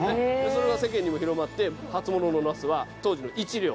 それが世間にも広まって初物のナスは当時の１両。